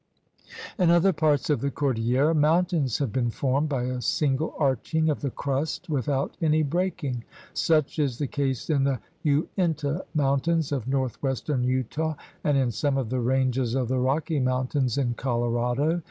In other parts of the cordillera, mountains have been formed by a single arching of the crust with out any breaking. Such is the case in the Uinta Mountains of northwestern Utah and in some of the ranges of the Rocky Mountains in Colorado.